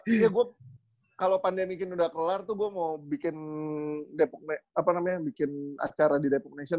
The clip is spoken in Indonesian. iya gue kalo pandemikin udah kelar tuh gue mau bikin acara di depok nation